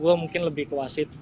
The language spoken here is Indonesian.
gue mungkin lebih ke wasit